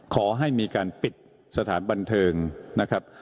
ขอให้มีการปิดสถานบันเทิงนะครับ